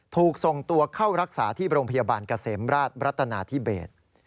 ถูกส่งตัวเข้ารักษาที่โรงพยาบาลเกษมราชรัตนาธิเบศ